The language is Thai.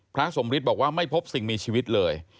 พระสมฤทธิ์บอกว่าไม่พบสิ่งมีชีวิตเลย